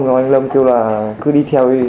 rồi anh lâm kêu là cứ đi theo đi